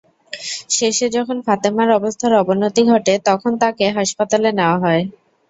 শেষে যখন ফাতেমার অবস্থার অবনতি ঘটে তখন তাঁকে হাসপাতালে নেওয়া হয়।